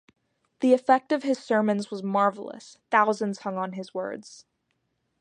The effect of his sermons was marvellous; thousands hung on his words.